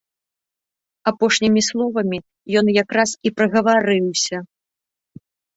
Апошнімі словамі ён якраз і прагаварыўся.